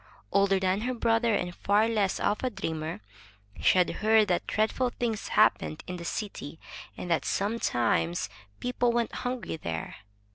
Older than her brother, and far less of a dreamer, she had heard that dreadful things happened in the city, and that sometimes people went hungry there.